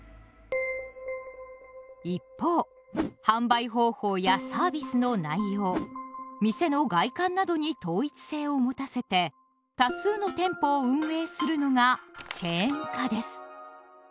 一方販売方法やサービスの内容店の外観などに統一性を持たせて多数の店舗を運営するのが「チェーン化」です。